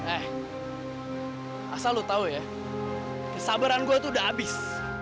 eh asal lo tau ya kesabaran gue tuh udah habis